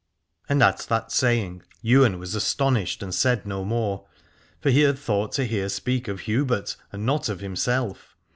And at that saying Ywain was astonished and said no more : for he had thought to hear speak of Hubert and not of himself.